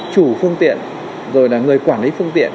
chủ phương tiện rồi là người quản lý phương tiện